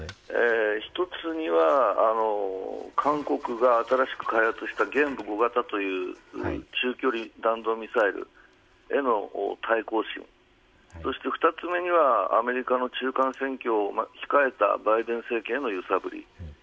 一つには、韓国が新しく開発した玄武５型という中距離弾道ミサイルへの対抗心そして、２つ目にはアメリカの中間選挙を控えたバイデン政権への揺さぶり。